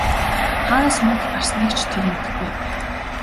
Хаанаас мөнгө гарсныг ч тэр мэдэхгүй!